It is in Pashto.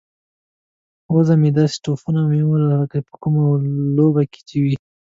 وزه مې داسې ټوپونه وهي لکه په کومه لوبه کې چې وي.